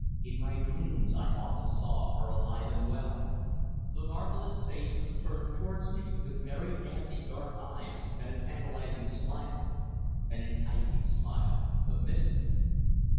In my dreams I often saw her alive and well. The marvellous face was turned towards me, with merry, dancing dark eyes and a tantalizing smile an enticing smile of mystery.